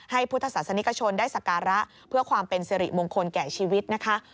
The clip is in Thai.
พุทธศาสนิกชนได้สการะเพื่อความเป็นสิริมงคลแก่ชีวิตนะคะ